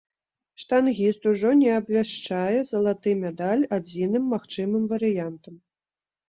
Штангіст ужо не абвяшчае залаты медаль адзіным магчымым варыянтам.